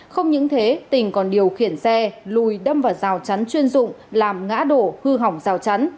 không những thế tình còn điều khiển xe lùi đâm vào rào chắn chuyên dụng làm ngã đổ hư hỏng rào chắn